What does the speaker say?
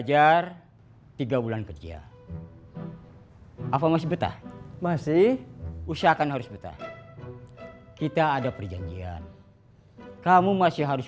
coba kamu kontak dia